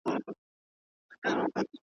خاوري کېږې دا منمه خو د روح مطلب بل څه دی ,